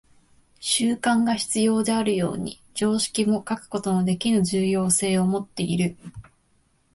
習慣が必要であるように、常識も欠くことのできぬ重要性をもっている。